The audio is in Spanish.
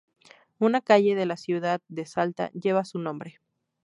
Una calle de la ciudad de Salta lleva su nombre.